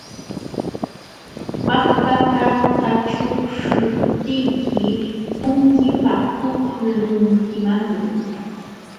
Pakpaka kaćhuqśhuptiyki punkipakuqlunkimanmi.